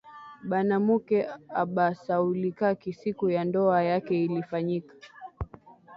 Banamuke abasaulikaki siku ya ndowa yake ilifanyika